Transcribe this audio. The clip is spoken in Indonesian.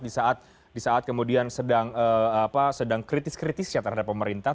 di saat di saat kemudian sedang apa sedang kritis kritis ya terhadap pemerintah